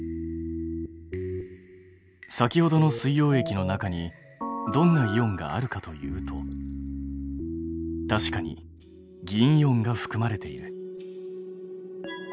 先ほどの水溶液の中にどんなイオンがあるかというと確かに銀イオンがふくまれている。